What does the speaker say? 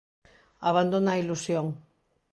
Abandona a ilusión.